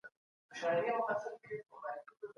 هغوی له پېړيو راهيسي د اسلامي ورورولۍ تبليغ کوي.